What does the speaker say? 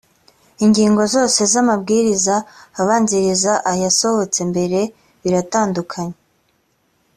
ingingo zose z’ amabwiriza abanziriza ayasohotse mbere biratandukanye